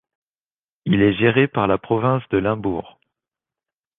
Il est géré par la Province de Limbourg.